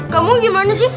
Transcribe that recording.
kamu gimana sih